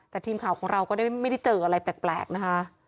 แต่ทีมข่าวของเราก็ไม่ได้เจออะไรแปลกนะคะ